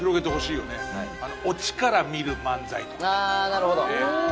なるほど。